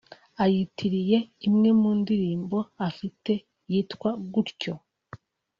ayitiriye imwe mu ndirimbo afite yitwa gutyo